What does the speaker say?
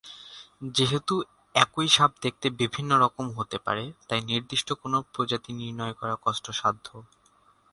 যেহেতু একই সাপ দেখতে বিভিন্ন রকম হতে পারে, তাই নির্দিষ্ট কোনো প্রজাতি নির্ণয় করা কষ্টসাধ্য।